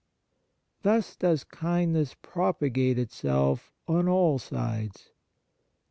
Thus does kindness propagate itself on all sides.